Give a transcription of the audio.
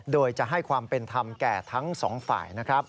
โดยจะให้ความเป็นธรรมแก่ทั้งสองฝ่ายนะครับ